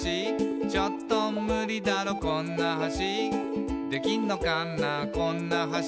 「ちょっとムリだろこんな橋」「できんのかなこんな橋」